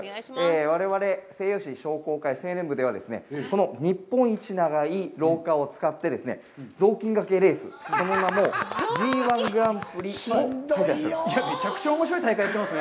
我々西予市商工会青年部では、この日本一長い廊下を使ってですね、雑巾がけレース、その名もＺ−１グランプリを開催してます。